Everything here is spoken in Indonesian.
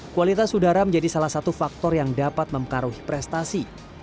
kualitas udara menjadi salah satu faktor yang dapat mempengaruhi prestasi